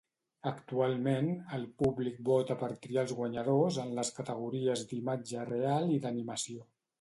Actualment, el públic vota per triar els guanyadors en les categories d'imatge real i d'animació.